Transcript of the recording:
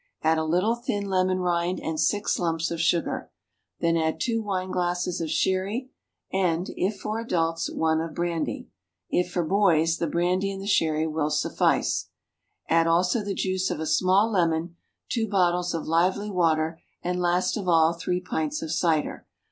Add a little thin lemon rind, and six lumps of sugar. Then add two wine glasses of sherry, and (if for adults) one of brandy. (If for boys the brandy in the sherry will suffice.) Add also the juice of a small lemon, two bottles of lively water, and (last of all) three pints of cider.